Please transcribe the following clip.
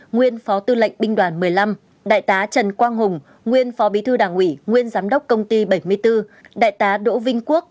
nguyên phó tư lệnh binh đoàn một mươi năm đại tá trần quang hùng nguyên phó bí thư đảng ủy nguyên giám đốc công ty bảy mươi bốn đại tá đỗ vinh quốc